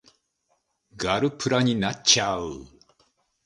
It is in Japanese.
ガルプラになっちゃう